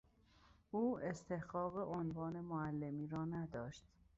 او استحقاق عنوان معلمی را نداشت.